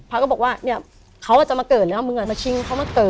ก็บอกว่าเนี่ยเขาจะมาเกิดแล้วมึงมาชิงเขามาเกิด